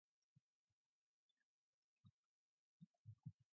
An upright, standard riding posture contributes to the bike's handling characteristics.